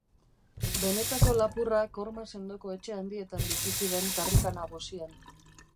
Benetako lapurrak horma sendoko etxe handietan bizi ziren karrika nagusian.